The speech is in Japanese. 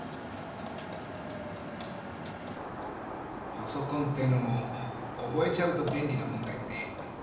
パソコンっていうのも覚えちゃうと便利なもんだよね。